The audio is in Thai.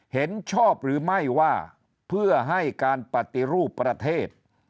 เห็นชอบหรือไม่ว่าเพื่อให้การปฏิรูปประเทศ